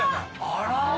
あら！